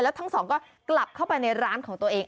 แล้วทั้งสองก็กลับเข้าไปในร้านของตัวเอง